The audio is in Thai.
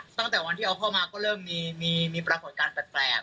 ตั้งแต่วันที่เอาเข้ามาก็เริ่มมีปรากฏการณ์แปลก